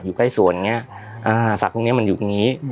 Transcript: อยู่ใกล้สวนเงี้ยอ่าดังนั้นอ่ะแสงตุ๊กแกรนี่แสงครบ